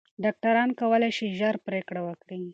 ډاکټران کولی شي ژر پریکړه وکړي.